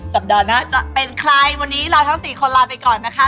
สัปดาห์หน้าจะเป็นใครวันนี้ลาทั้ง๔คนลาไปก่อนนะคะ